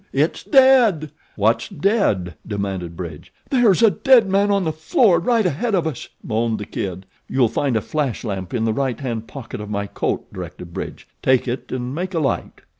It's dead!" "What's dead?" demanded Bridge. "There's a dead man on the floor, right ahead of us," moaned The Kid. "You'll find a flash lamp in the right hand pocket of my coat," directed Bridge. "Take it and make a light."